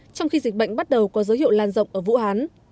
trong khi dịch bệnh bắt đầu có dấu hiệu lan rộng ở vũ hán